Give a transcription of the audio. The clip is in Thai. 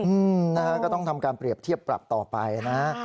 อืมนะฮะก็ต้องทำการเปรียบเทียบปรับต่อไปนะ